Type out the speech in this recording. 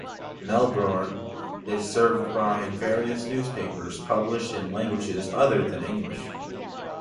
Melbourne is served by various newspapers published in languages other than English.